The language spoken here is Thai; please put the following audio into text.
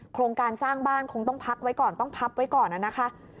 โครงการสร้างบ้านคงต้องพักไว้ก่อนต้องพับไว้ก่อนนะคะ